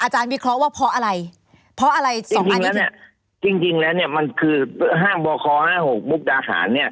จริงแล้วมันคือห้างบค๕๖มุกดาหาร